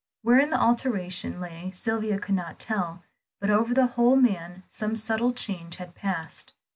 Wherein the alteration lay Sylvia could not tell, but over the whole man some subtle change had passed.